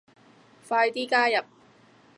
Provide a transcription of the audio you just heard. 快啲加入